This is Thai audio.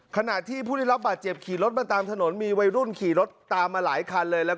ขณะที่ผู้ได้รับบาดเจ็บขี่รถมาตามถนนมีวัยรุ่นขี่รถตามมาหลายคันเลย